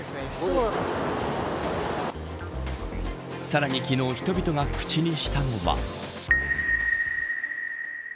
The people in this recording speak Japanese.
さらに昨日人々が口にしたのは。